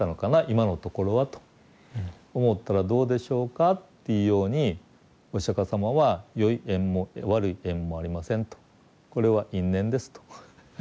今のところはと思ったらどうでしょうかっていうようにお釈迦様は良い縁も悪い縁もありませんとこれは因縁ですと。